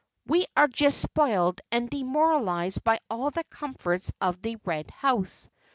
"We are just spoiled and demoralized by all the comforts of the Red House.